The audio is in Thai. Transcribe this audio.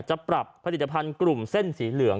จะปรับผลิตภัณฑ์กลุ่มเส้นสีเหลือง